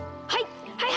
はい！